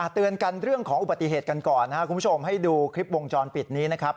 เตือนกันเรื่องของอุบัติเหตุกันก่อนนะครับคุณผู้ชมให้ดูคลิปวงจรปิดนี้นะครับ